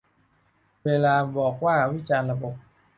เวลาบอกว่าวิจารณ์ "ระบบ"